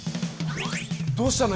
どうしたの？